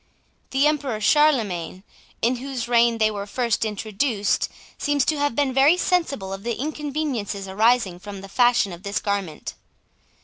The Emperor Charlemagne, in whose reign they were first introduced, seems to have been very sensible of the inconveniences arising from the fashion of this garment.